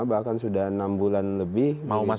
bahkan sudah enam bulan lebih